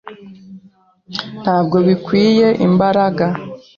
Ntabwo bikwiye imbaraga.